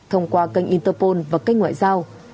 thông qua kênh interpol và kênh ngoại giao